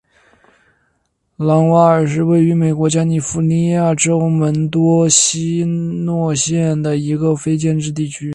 朗瓦尔是位于美国加利福尼亚州门多西诺县的一个非建制地区。